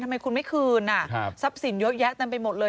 ทำไมคุณไม่คืนทรัพย์สินเยอะแยะเต็มไปหมดเลย